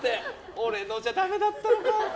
俺のじゃダメだったのかって。